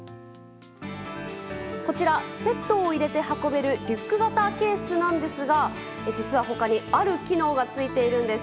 こちら、ペットを入れて運べるリュック型ケースなんですが実は他にある機能がついているんです。